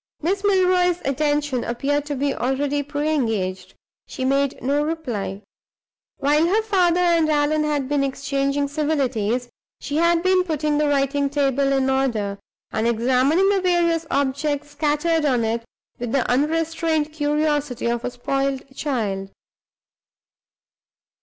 Miss Milroy's attention appeared to be already pre engaged; she made no reply. While her father and Allan had been exchanging civilities, she had been putting the writing table in order, and examining the various objects scattered on it with the unrestrained curiosity of a spoiled child.